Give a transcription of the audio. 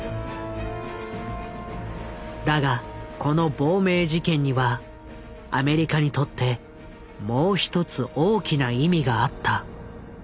だがこの亡命事件にはアメリカにとってもう一つ大きな意味があった。